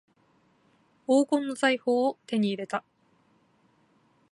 黄金の財宝を手に入れた